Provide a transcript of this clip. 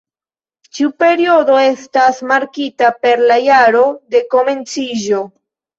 Ĉiu periodo estas markita per la jaro de komenciĝo.